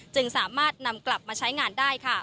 จึงสามารถนำกลับมาใช้งานได้